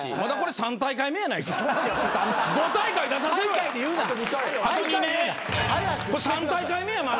３大会目やまだ。